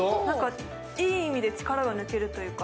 いい意味で力が抜けるというか。